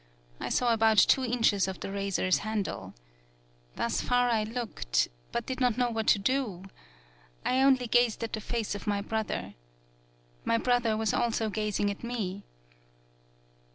I saw about two inches of the razor's handle. Thus far I looked, but did not know what to do. I only gazed at the face of my brother. My brother was also gazing at me.